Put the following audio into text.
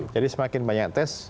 jadi semakin banyak tes